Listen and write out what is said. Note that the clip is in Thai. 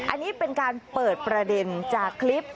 อันนี้เป็นการเปิดประเด็นจากคลิป